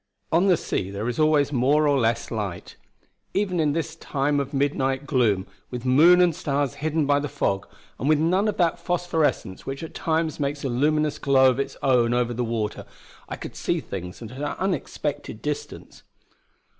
On the sea there is always more or less light; even in this time of midnight gloom, with moon and stars hidden by the fog, and with none of that phosphorescence which at times makes a luminous glow of its own over the water, I could see things at an unexpected distance.